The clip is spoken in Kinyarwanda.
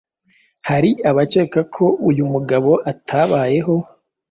Hari abakeka ko uyu mugabo atabayeho,